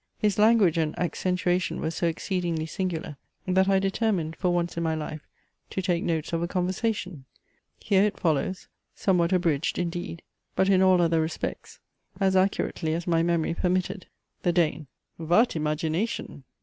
His language and accentuation were so exceedingly singular, that I determined for once in my life to take notes of a conversation. Here it follows, somewhat abridged, indeed, but in all other respects as accurately as my memory permitted. THE DANE. Vat imagination!